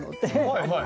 はいはい。